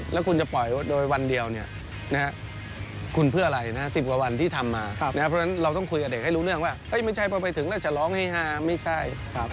แค่คุยกับเด็กให้รู้ว่าไม่ใช่ไปติกแล้วชะล้องให้ห่า